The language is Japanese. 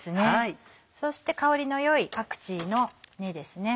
そして香りのよいパクチーの根ですね。